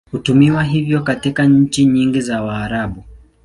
Hutumiwa hivyo katika nchi nyingi za Waarabu.